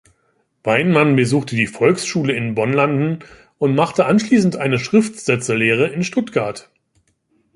Weinmann besuchte die Volksschule in Bonlanden und machte anschließend eine Schriftsetzerlehre in Stuttgart.